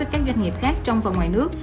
với các doanh nghiệp khác trong và ngoài nước